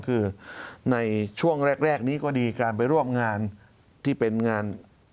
คือในช่วงแรกนี้ก็ดีการไปร่วมงานที่เป็นงาน